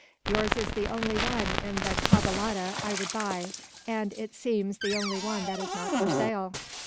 Yours is the only one in the caballada I would buy, and, it seems, the only one that is not for sale!"